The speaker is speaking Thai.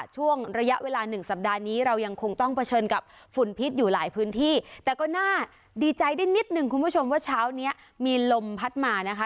ช่วงระยะเวลาหนึ่งสัปดาห์นี้เรายังคงต้องเผชิญกับฝุ่นพิษอยู่หลายพื้นที่แต่ก็น่าดีใจได้นิดหนึ่งคุณผู้ชมว่าเช้านี้มีลมพัดมานะคะ